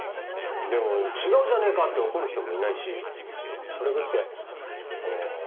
でも違うじゃねえかって怒る人もいないしそれ食ってああ